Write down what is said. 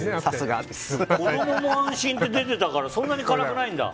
子供も安心って出てたからそんなに辛くないんだ。